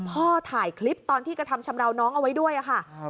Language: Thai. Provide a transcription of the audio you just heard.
ถ่ายคลิปตอนที่กระทำชำราวน้องเอาไว้ด้วยค่ะ